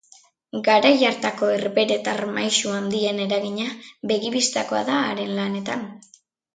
Garai hartako herbeheretar maisu handien eragina begi-bistakoa da haren lanetan.